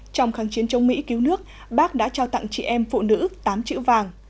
trong kháng chiến chống mỹ cứu nước bác đã trao tặng chị em phụ nữ tám chữ vàng